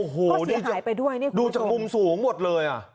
ก็เสียหายไปด้วยดูจากมุมสูงหมดเลย